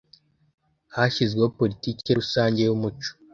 hashyizweho politiki rusange y'umuco